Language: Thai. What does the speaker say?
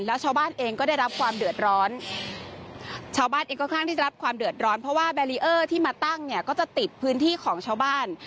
แล้วชาวบ้านเองก็ได้รับความเดือดร้อนเพราะว่าแบรีเออร์ที่มาตั้งก็จะติดพื้นที่ของชาวบ้าน